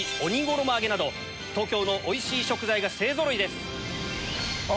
東京のおいしい食材が勢ぞろいです。